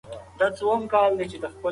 تنظيم د ماشوم ورځنی مهالوېش آسانوي.